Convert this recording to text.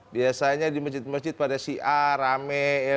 biasanya di masjid masjid pada syiar rame